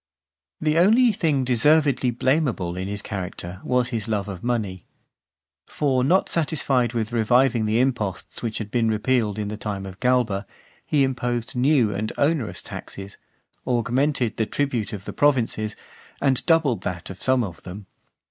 XVI. The only thing deservedly blameable in his character was his love of money. For not satisfied with reviving the imposts which had been repealed in the time of Galba, he imposed new and onerous taxes, augmented the tribute of the provinces, and doubled that of some of them.